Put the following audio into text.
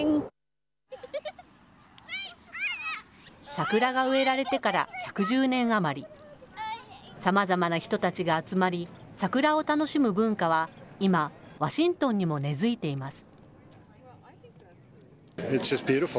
桜が植えられてから１１０年余り、さまざまな人たちが集まり、桜を楽しむ文化は今、ワシントンにも根づいています。